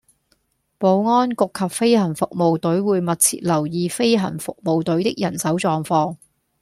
保安局及飛行服務隊會密切留意飛行服務隊的人手狀況